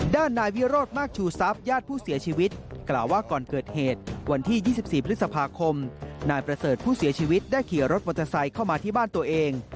ด้านนายวิโรธมากชูทรัพย์ญาติผู้เสียชีวิตกล่าวว่าก่อนเกิดเหตุวันที่๒๔พฤษภาคมนายประเสริฐผู้เสียชีวิตได้ขี่รถมอเตอร์ไซค์เข้ามาที่บ้านตัวเอง